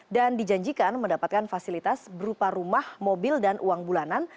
dan dijanjikan mendapatkan fasilitas berupa rumah mobil dan uang bulanan